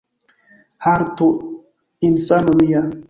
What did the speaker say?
Haltu, infano mia.